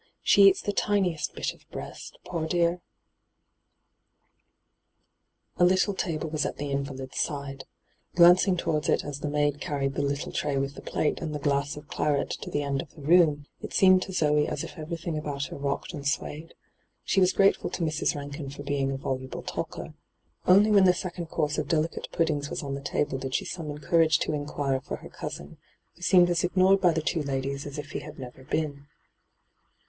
She eats the tiniest bit of the breast, poor dear I' A little table was at the invalid's side. Glancing towards it as the maid carried the Uttle tray with the plate and the glass of claret to the end of the room, it seemed to Zoe as if everything about her rocked and swayed. She was grateful to Mrs. Rankin for being a voluble talker. Only when the second course of delicate puddings was on the table did she summon courage to inquire for her cousin, who seemed aa ignored by the two ladies as if he had never been.